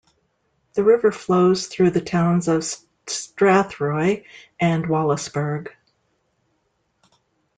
The river flows through the towns of Strathroy and Wallaceburg.